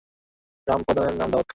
গ্রাম প্রধানের নাম দাঊদ খান।